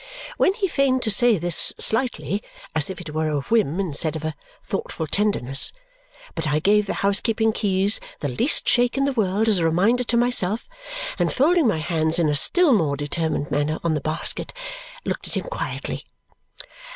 when he feigned to say this slightly, as if it were a whim instead of a thoughtful tenderness. But I gave the housekeeping keys the least shake in the world as a reminder to myself, and folding my hands in a still more determined manner on the basket, looked at him quietly.